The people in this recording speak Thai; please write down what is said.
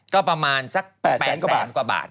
ก็ประมาณสัก๘๐๐๐๐๐กว่าบาท